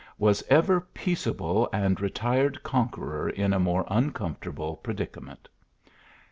Was ever peaceable and retired conqueror in a more uncomfortable predica ment